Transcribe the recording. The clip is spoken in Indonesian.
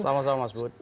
selamat malam mas bud